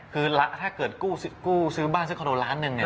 คือถ้าเกิดกู้ซื้อบ้านซื้อคอนโดล้านหนึ่งเนี่ย